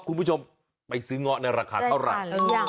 คุณผู้ชมมาซื้อง่อนในราคาเท่าไร